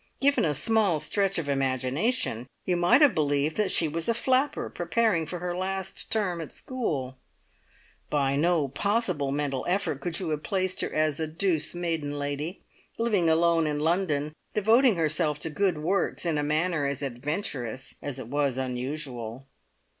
Given a small stretch of imagination, you might have believed that she was a flapper preparing for her last term at school; by no possible mental effort could you have placed her as a douce maiden lady, living alone in London, devoting herself to good works in a manner as adventurous as it was unusual.